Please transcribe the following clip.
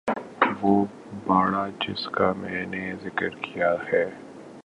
وہ باڑہ جس کا میں نے ذکر کیا ہے